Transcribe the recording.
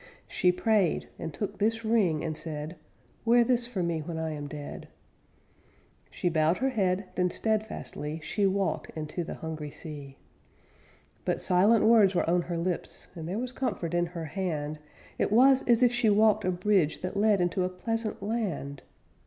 _ She prayed and took this ring, and said: "Wear this for me when I am dead." She bowed her head, then steadfastly She walked into the hungry sea. But silent words were on her lips, And there was comfort in her hand; It was as if she walked a bridge _That led into a pleasant land.